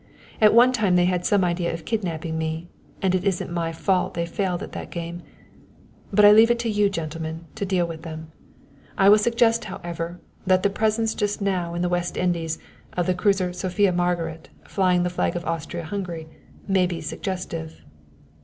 At one time they had some idea of kidnapping me; and it isn't my fault they failed at that game. But I leave it to you, gentlemen, to deal with them. I will suggest, however, that the presence just now in the West Indies, of the cruiser Sophia Margaret, flying the flag of Austria Hungary, may be suggestive."